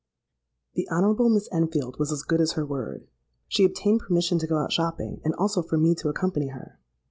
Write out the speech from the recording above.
"The Honourable Miss Enfield was as good as her word. She obtained permission to go out shopping, and also for me to accompany her.